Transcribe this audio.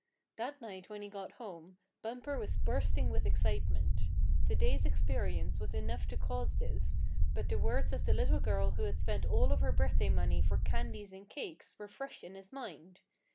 That night when he got home, Bumper was bursting with excitement. The day's experience was enough to cause this, but the words of the little girl who had spent all of her birthday money for candies and cakes were fresh in his mind.